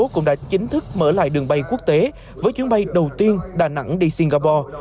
cũng đã chính thức mở lại đường bay quốc tế với chuyến bay đầu tiên đà nẵng đi singapore